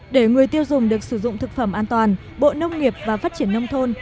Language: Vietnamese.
để người tiêu dùng được sử dụng thực phẩm an toàn bộ nông nghiệp và phát triển nông thôn